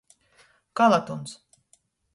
Kalatuns.